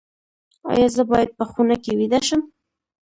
ایا زه باید په خونه کې ویده شم؟